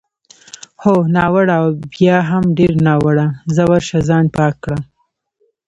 هو، ناوړه او بیا هم ډېر ناوړه، ځه ورشه ځان پاک کړه.